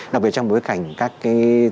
đặc biệt trong bối cảnh các cái